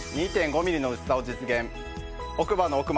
２．５ｍｍの薄さを実現。